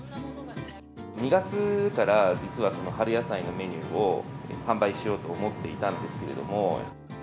２月から実は、その春野菜のメニューを販売しようと思っていたんですけれども。